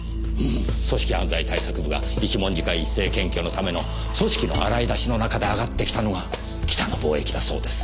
組織犯罪対策部が一文字会一斉検挙のための組織の洗い出しの中で挙がってきたのが北野貿易だそうです。